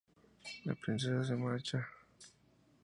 La princesa se marcha.